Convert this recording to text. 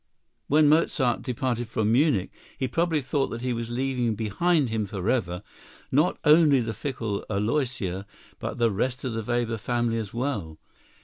When Mozart departed from Munich, he probably thought that he was leaving behind him forever, not only the fickle Aloysia, but the rest of the Weber family as well.